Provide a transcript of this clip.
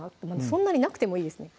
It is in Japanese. そんなになくてもいいですね